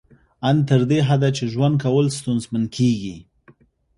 ان تر دې حده چې ژوند کول ستونزمن کیږي